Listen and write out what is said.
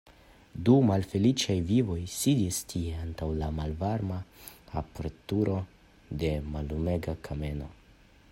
Du malfeliĉaj vivoj sidis tie antaŭ la malvarma aperturo de mallumega kameno.